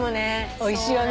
おいしいよね